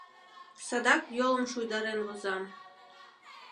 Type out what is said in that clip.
— Садак йолым шуйдарен возам.